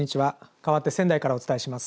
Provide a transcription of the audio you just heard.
かわって仙台からお伝えします。